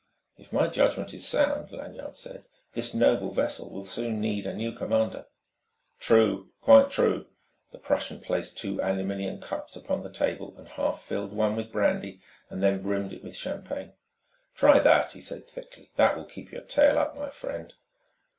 "If my judgment is sound," Lanyard said, "this noble vessel will soon need a new commander." "True. Quite true." The Prussian placed two aluminium cups upon the table and half filled one with brandy, then brimmed it with champagne. "Try that," he said thickly, "That will keep your tail up, my friend."